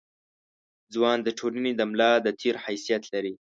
ځوان د ټولنې د ملا د تیر حیثیت لري.